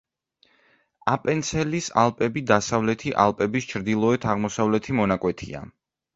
აპენცელის ალპები დასავლეთი ალპების ჩრდილოეთ-აღმოსავლეთი მონაკვეთია.